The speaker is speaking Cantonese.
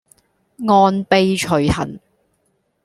按轡徐行